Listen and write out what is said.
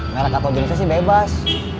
merk atau organisasi bebas